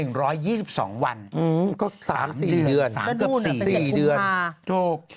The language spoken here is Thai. อื้อก็๓๔เดือน๓เกือบ๔เดือนถูก